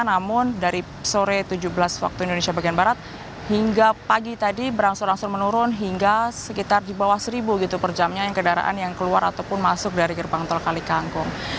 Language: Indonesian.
namun dari sore tujuh belas waktu indonesia bagian barat hingga pagi tadi berangsur angsur menurun hingga sekitar di bawah seribu per jamnya yang kendaraan yang keluar ataupun masuk dari gerbang tol kalikangkung